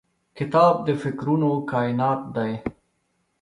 کتاب د فکرونو کائنات دی.